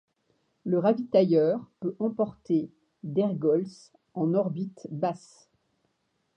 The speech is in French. Le ravitailleur peut emporter d'ergols en orbite basse.